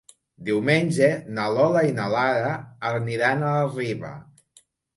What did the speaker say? Diumenge na Lola i na Lara aniran a la Riba.